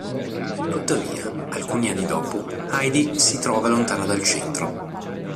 Tuttavia, alcuni anni dopo, Heidi si trova lontana dal centro.